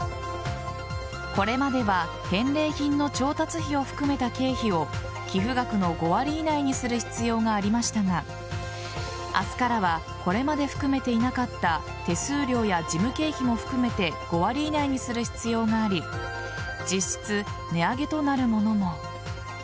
これまでは、返礼品の調達費を含めた経費を寄付額の５割以内にする必要がありましたが明日からはこれまで含めていなかった手数料や事務経費も含めて５割以内にする必要があり実質値上げとなるものも。